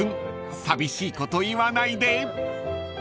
寂しいこと言わないで］